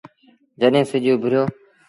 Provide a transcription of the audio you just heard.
جڏهيݩ سڄ اُڀريو ۔